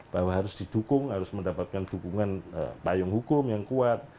bahwa harus didukung harus mendapatkan dukungan payung hukum yang kuat